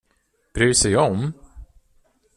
Bryr sig om?